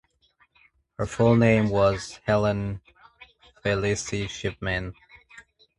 Her full name was Helen Phyllis Shipman.